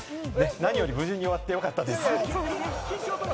何より無事に終わってよかったです。